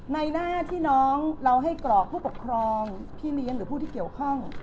หน้าที่น้องเราให้กรอกผู้ปกครองพี่เลี้ยงหรือผู้ที่เกี่ยวข้อง